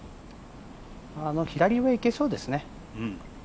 左上、いけそうですね。